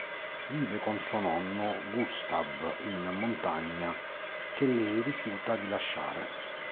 Vive con suo nonno Gustave in montagna, che lei rifiuta di lasciare.